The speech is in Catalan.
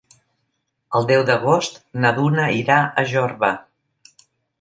El deu d'agost na Duna irà a Jorba.